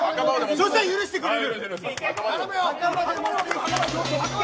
そしたら許してくれる。